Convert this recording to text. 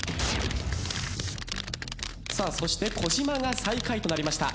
さあそして小島が最下位となりました。